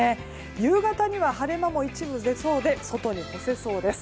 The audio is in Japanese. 夕方には晴れ間も一部出そうで外に干せそうです。